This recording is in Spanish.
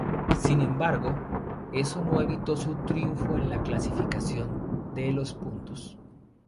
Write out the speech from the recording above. Sin embargo, eso no evitó su triunfo en la clasificación de los puntos.